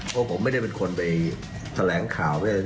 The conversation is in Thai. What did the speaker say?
เพราะผมไม่ได้เป็นคนไปแถลงข่าวด้วย